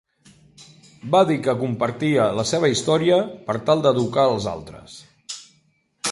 Va dir que compartia la seva història per tal d'educar els altres.